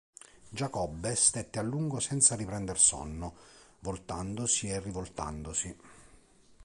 Giacobbe stette a lungo senza riprender sonno, voltandosi e rivoltandosi.